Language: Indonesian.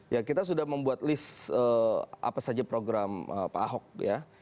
ya kita sudah membuat list apa saja program pak ahok ya